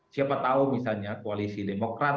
siapa tahu misalnya koalisi demokrat